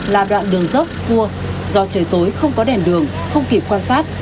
là đoạn đường dốc cua do trời tối không có đèn đường không kịp quan sát